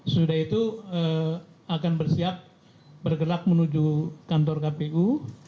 sudah itu akan bersiap bergerak menuju kantor kpu